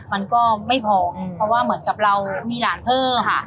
มันก็ไม่พอเพราะว่าเหมือนกับเรามีหลานเพิ่มค่ะ